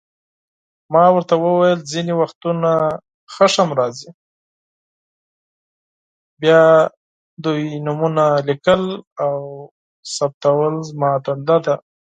بیا د هغوی نومونه لیکل او ثبتول زما دنده ده.